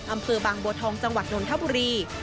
อำเภอบางบัวทองจังหวัดนนทบุรี